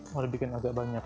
sudah bikin agak banyak